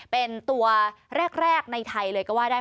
เป็นตัวแรกในไทยเลยก็ว่าได้